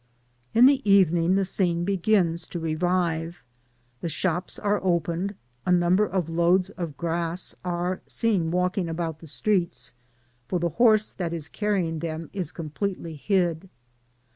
In the evening the scene begins to revive. The shops are opened ; a number of loads of grass are seen walking about the streets, for the horse that is canning them is completely hid.